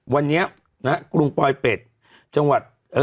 วันนี้กรุงปลอยเป็ด